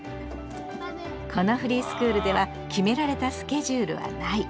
このフリースクールでは決められたスケジュールはない。